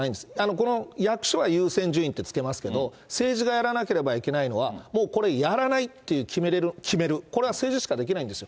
この役所は優先順位ってつけますけれども、政治がやらなければいけないのは、もうこれ、やらないって決める、これは政治しかできないんですよ。